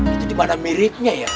itu cuma ada miripnya ya